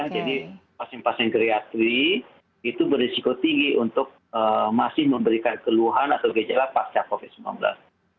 jadi pasien pasien kreatif itu beresiko tinggi untuk masih memberikan keluhan atau gejala pasca covid sembilan belas